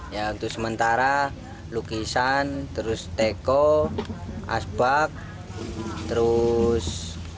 ya untuk sementara lukisan terus teko asbak terus